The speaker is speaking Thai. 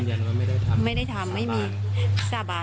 เธอเห็นอยากทำไม่ได้ทำสาบาน